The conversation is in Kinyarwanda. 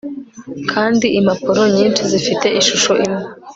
kandi impapuro nyinshi zifite ishusho imwe